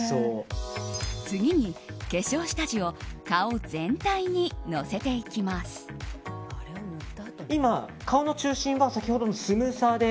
次に化粧下地を顔全体にのせていきます。